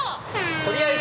とりあえず。